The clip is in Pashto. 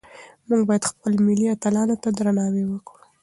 موږ باید خپل ملي اتلانو ته درناوی وکړو.